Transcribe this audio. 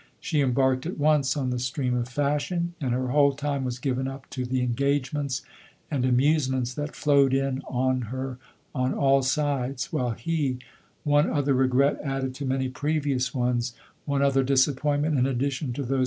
She embarked at once on the stream of fashion ; and her whole time was given up to the engagements and amusements that flowed in on her on all sides ; while he — one other regret added to many previous ones — one other disappointment in addition to those LODORE.